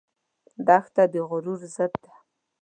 دښته د غرور ضد ده.